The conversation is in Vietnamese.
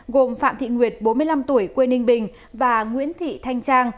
gồm phạm thị nguyệt bốn mươi năm tuổi quê ninh bình và nguyễn thị thanh trang